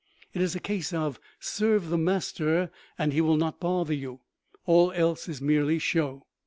It is a case of serve the master and he will not bother you; all else is merely show.